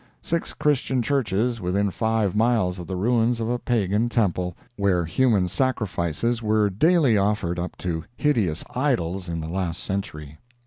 Six Christian churches within five miles of the ruins of a Pagan temple, where human sacrifices were daily offered up to hideous idols in the last century!